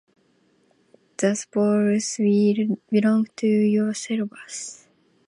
The spoils will belong to yourselves.